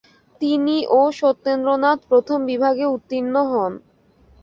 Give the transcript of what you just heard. তিনি ও সত্যেন্দ্রনাথ প্রথম বিভাগে উত্তীর্ণ হন।